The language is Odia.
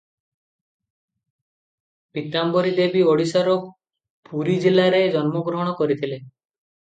ପୀତାମ୍ବରୀ ଦେବୀ ଓଡ଼ିଶାର ପୁରୀ ଜିଲ୍ଲାରେ ଜନ୍ମଗ୍ରହଣ କରିଥିଲେ ।